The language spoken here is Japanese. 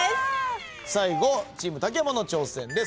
最後チーム竹山の挑戦です。